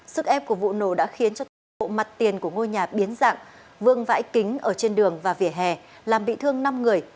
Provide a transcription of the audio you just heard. sức ép của vụ nổ đã khiến cho toàn bộ mặt tiền của ngôi nhà biến dạng vương vãi kính ở trên đường và vỉa hè làm bị thương năm người